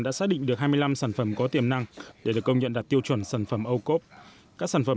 đã xác định được hai mươi năm sản phẩm có tiềm năng để được công nhận đạt tiêu chuẩn sản phẩm ocope